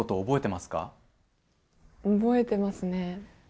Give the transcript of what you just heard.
覚えてますね。